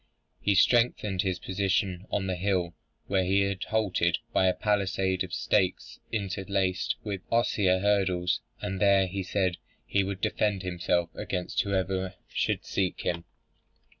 He strengthened his position on the hill where he had halted, by a palisade of stakes interlaced with osier hurdles, and there, he said, he would defend himself against whoever should seek him.